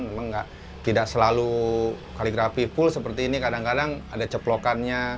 memang tidak selalu kaligrafi full seperti ini kadang kadang ada ceplokannya